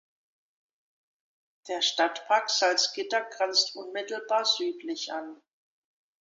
Der Stadtpark Salzgitter grenzt unmittelbar südlich an.